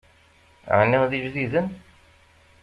Ɛni d ijdiden?